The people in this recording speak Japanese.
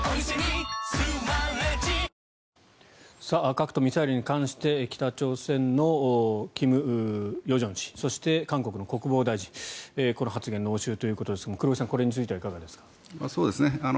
核とミサイルに関して北朝鮮の金与正氏そして、韓国の国防大臣この発言の応酬ですが黒井さん、この発言についてはいかがですか。